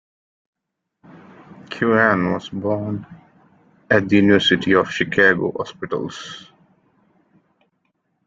Keohane was born at the University of Chicago Hospitals.